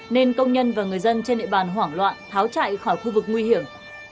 nên công nhân và người dân trên địa bàn hoảng loạn tháo chạy khỏi khu vực nguy hiểm